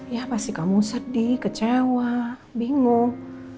ya pasti kamu sedih kecewa bingung